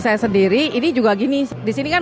saya sendiri ini juga gini disini kan